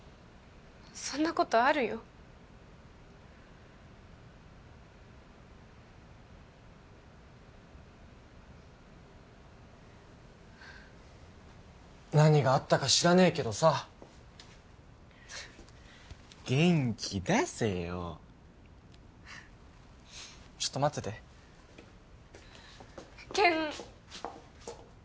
そんなことあるよ何があったか知らねえけどさ元気出せよちょっと待ってて健